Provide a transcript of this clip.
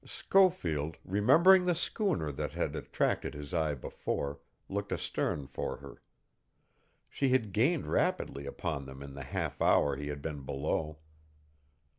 Schofield, remembering the schooner that had attracted his eye before, looked astern for her. She had gained rapidly upon them in the half hour he had been below.